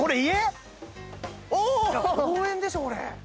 いや公園でしょこれ。